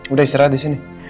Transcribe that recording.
udah istirahat disini